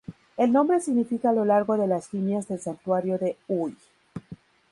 El nombre significa a lo largo de las líneas del "santuario de Ull".